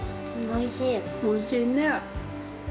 おいしいね。